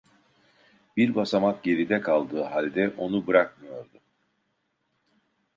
Bir basamak geride kaldığı halde onu bırakmıyordu.